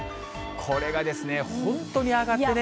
これが本当に上がってね。